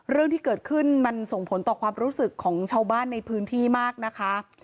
เรื่องที่เกิดขึ้นมันส่งผลต่อความรู้สึกของชาวบ้านในพื้นที่มากนะคะ